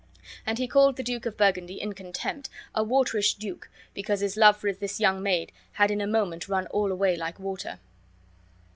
And he called the Duke of Burgundy, in contempt, a waterish duke, because his love for this young maid had in a moment run all away like water.